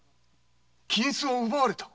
金子を奪われた？